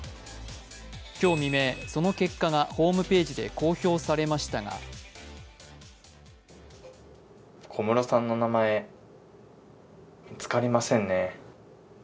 今日未明、その結果がホームページで公表されましたが小室さんの名前、見つかりませんね。